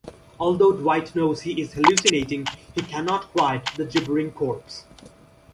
Although Dwight knows he is hallucinating, he cannot quiet the gibbering corpse.